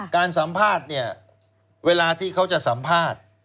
การสัมภาษณ์เนี่ยเวลาที่เขาจะสัมภาษณ์